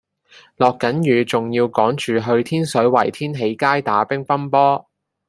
落緊雨仲要趕住去天水圍天喜街打乒乓波